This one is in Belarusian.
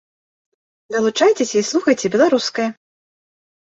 Далучайцеся і слухайце беларускае!